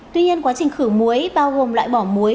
tuy nhiên quá trình khử muối bao gồm loại bỏ muối